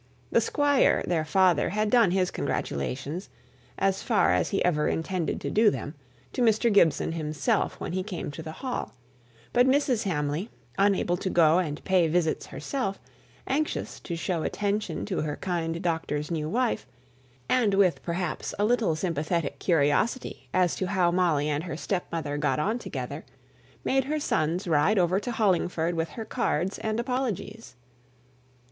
The Squire, their father, had done his congratulations, as far as he ever intended to do them, to Mr. Gibson himself when he came to the hall; but Mrs. Hamley, unable to go and pay visits herself, anxious to show attention to her kind doctor's new wife, and with perhaps a little sympathetic curiosity as to how Molly and her stepmother got on together, made her sons ride over to Hollingford with her cards and apologies.